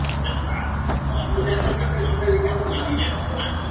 En Backlash se enfrentaron a The Usos por los títulos, pero fueron derrotados.